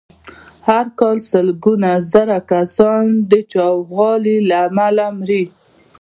هر کال سلګونه زره انسانان د چاغوالي له امله مري.